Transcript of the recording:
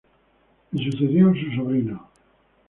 Le sucedió su sobrino.